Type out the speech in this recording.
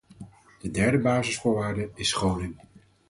De derde basisvoorwaarde is scholing.